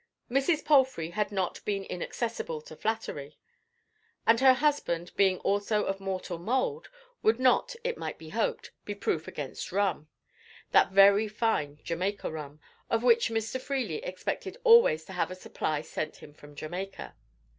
Mrs. Palfrey had not been inaccessible to flattery, and her husband, being also of mortal mould, would not, it might be hoped, be proof against rum—that very fine Jamaica rum—of which Mr. Freely expected always to have a supply sent him from Jamaica.